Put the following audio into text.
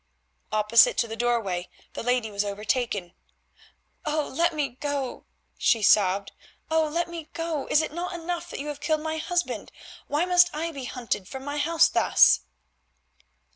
Opposite to the doorway the lady was overtaken. "Oh! let me go," she sobbed, "oh! let me go. Is it not enough that you have killed my husband? Why must I be hunted from my house thus?"